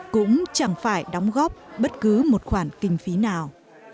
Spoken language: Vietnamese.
cũng chẳng phải đóng góp bất cứ một khoản kinh phí nào